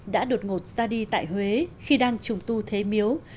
đã đột ngột ra đi tại huế khi đang trùng tu thế miếu